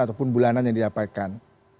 ataupun bulanan yang didapatkan